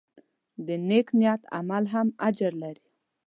د نیک نیت عمل هم اجر لري.